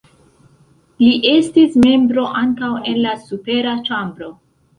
Li estis membro ankaŭ en la supera ĉambro.